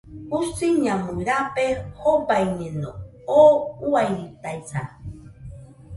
Jusiñamui rabe jobaiñeno, oo uairitaisa